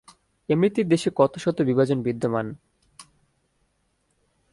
এমনিতেই এই দেশে কতশত বিভাজন বিদ্যমান!